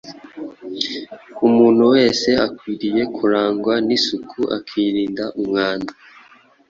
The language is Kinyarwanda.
Umuntu wese akwiriye kurangwa n’isuku akirinda umwanda.